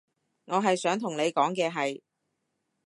我係想同你講嘅係